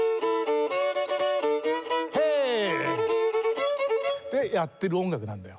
ヘーイ！ってやってる音楽なんだよ。